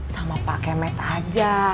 sama pak kemet aja